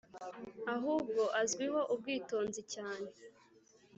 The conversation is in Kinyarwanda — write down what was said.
ahubwo azwiho ubwitonzi cyane